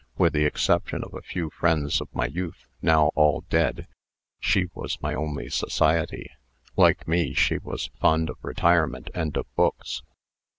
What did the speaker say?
With the exception of a few friends of my youth now all dead she was my only society. Like me, she was fond of retirement and of books.